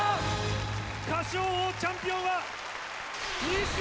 『歌唱王』チャンピオンは。